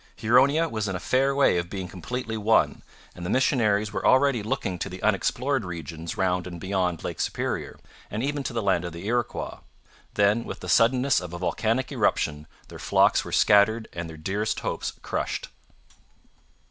Huronia was in a fair way of being completely won; and the missionaries were already looking to the unexplored regions round and beyond Lake Superior, and even to the land of the Iroquois. Then, with the suddenness of a volcanic eruption, their flocks were scattered and their dearest hopes crushed.